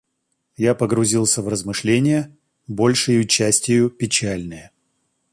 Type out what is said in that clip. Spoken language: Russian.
Я погрузился в размышления, большею частию печальные.